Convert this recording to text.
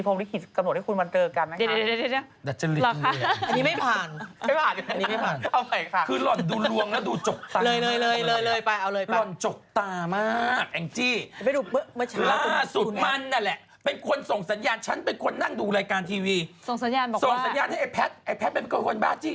พริกฤตกำหนดให้คุณมาเจอกันนะคะเดี๋ยว